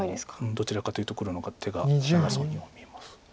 どちらかというと黒の手が長そうにも見えます。